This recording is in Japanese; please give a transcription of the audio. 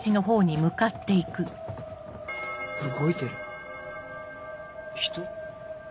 動いてる人？